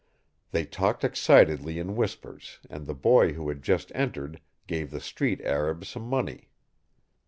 They talked excitedly in whispers and the boy who had just entered gave the street arab some money.